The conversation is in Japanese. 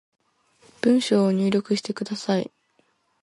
文章を入力してください